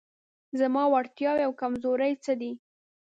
زما وړتیاوې او کمزورۍ څه دي؟